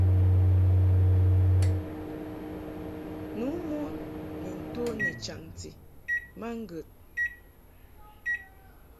Nu mon ni nto ni chaŋti ma ŋgəd.